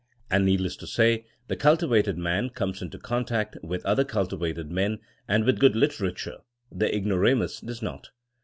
And needless to say, the cultivated man comes into contact with other cultivated men and with good literature ; the ig noramus does not.